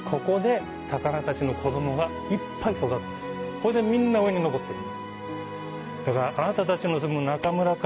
それでみんな上に上っていく。